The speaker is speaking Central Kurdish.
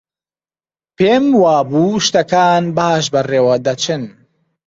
پێم وابوو شتەکان باش بەڕێوە دەچن.